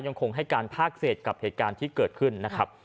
ยังคงให้การภาคเศษกับเหตุการณ์ที่เกิดขึ้นนะครับ